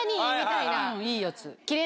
いいやつ。